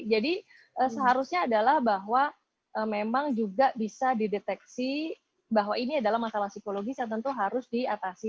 jadi seharusnya adalah bahwa memang juga bisa dideteksi bahwa ini adalah masalah psikologis yang tentu harus diatasi